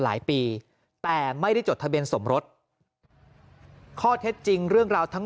หลายปีแต่ไม่ได้จดทะเบียนสมรสข้อเท็จจริงเรื่องราวทั้ง